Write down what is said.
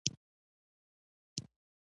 د مختلفو مذهبونو سپېڅلي ځایونه.